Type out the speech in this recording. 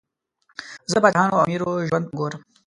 زه د پاچاهانو او امیرو ژوند ته ګورم.